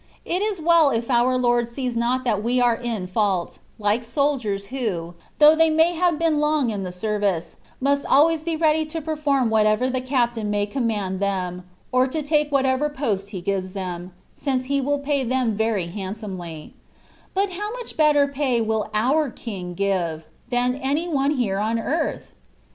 It is well if our Lord sees not that we are in faulty like soldiers, who, though they may have been long in the service, must always be ready to perform whatever the captain may command them, or to take whatever post he gives them, since he will pay them very handsomely^ But how much better pay will (mr King give, than any one here on earth!